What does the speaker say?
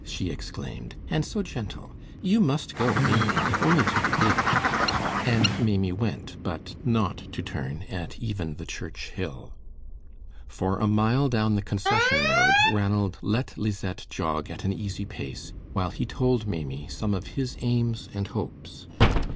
she exclaimed. "And so gentle. You must go, Maimie, if only to the gate." And Maimie went, but not to turn at even the church hill. For a mile down the concession road Ranald let Lisette jog at an easy pace while he told Maimie some of his aims and hopes.